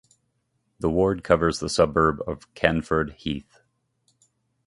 The ward covers the suburb of Canford Heath.